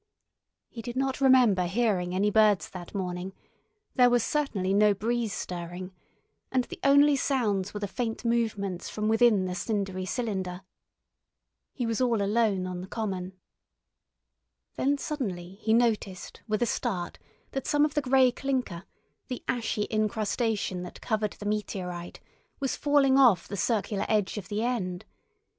He did not remember hearing any birds that morning, there was certainly no breeze stirring, and the only sounds were the faint movements from within the cindery cylinder. He was all alone on the common. Then suddenly he noticed with a start that some of the grey clinker, the ashy incrustation that covered the meteorite, was falling off the circular edge of the end.